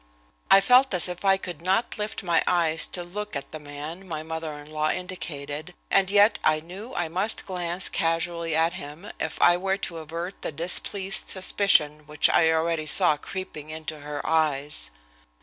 I felt as if I could not lift my eyes to look at the man my mother in law indicated, and yet I knew I must glance casually at him if I were to avert the displeased suspicion which I already saw creeping into her eyes.